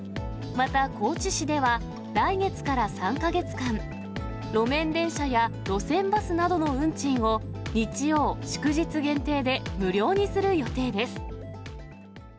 また高知市では、来月から３か月間、路面電車や路線バスなどの運賃を、日曜祝日限定で無料にする予定です。